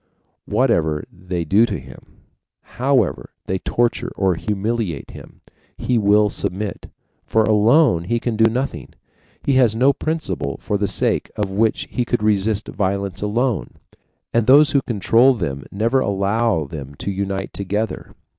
Whatever they do to him, however they torture or humiliate him, he will submit, for, alone, he can do nothing; he has no principle for the sake of which he could resist violence alone. And those who control them never allow them to unite together.